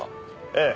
ええ。